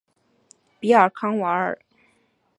比尔康瓦尔。